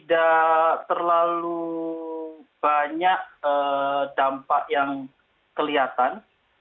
tidak terlalu banyak dampak yang kelihatan